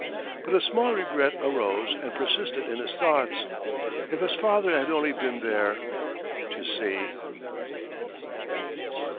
But a small regret arose and persisted in his thoughts—if his father had only been there to see!